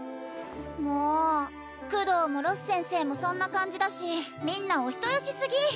もうクドーもロス先生もそんな感じだしみんなお人よしすぎ！